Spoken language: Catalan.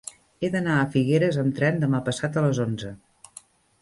He d'anar a Figueres amb tren demà passat a les onze.